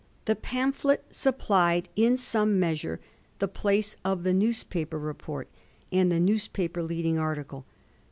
The pamphlet supplied in scmie measure the place of the newspaper report and the newspaper leading article.